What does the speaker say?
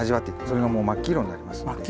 それがもう真っ黄色になりますんで。